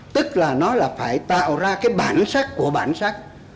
tức là nó là phải tạo ra cái bản sắc của bản sắc